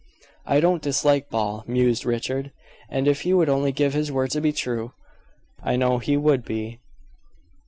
"I don't dislike Ball," mused Richard, "and if he would only give his word to be true, I know he would be.